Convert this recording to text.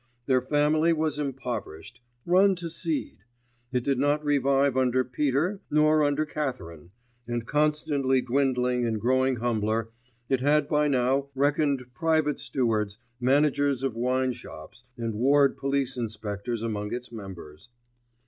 Their family was impoverished, 'run to seed'; it did not revive under Peter, nor under Catherine; and constantly dwindling and growing humbler, it had by now reckoned private stewards, managers of wine shops, and ward police inspectors among its members.